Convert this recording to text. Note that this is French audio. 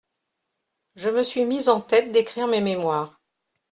Je me suis mis en tête d'écrire mes mémoires.